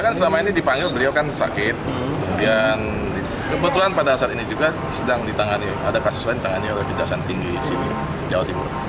kan selama ini dipanggil beliau kan sakit kemudian kebetulan pada saat ini juga sedang ditangani ada kasus lain ditangani oleh kejaksaan tinggi sini jawa timur